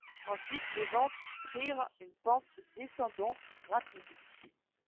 Ensuite, les ventes prirent une pente descendante rapide.